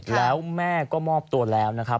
แล้วแม่ก็มอบตัวแล้วนะครับ